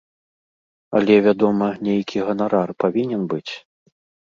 Але, вядома, нейкі ганарар павінен быць.